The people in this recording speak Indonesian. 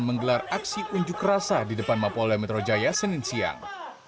menggelar aksi unjuk rasa di depan mapolda metro jaya senin siang